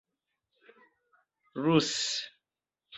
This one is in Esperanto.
ruse